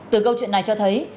từ câu chuyện này cho thấy